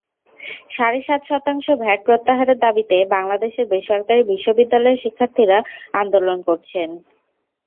সাড়ে সাত শতাংশ ভ্যাট প্রত্যাহারের দাবিতে বাংলাদেশের বেসরকারি বিশ্ববিদ্যালয়ের শিক্ষার্থীরা আন্দোলন করছেন।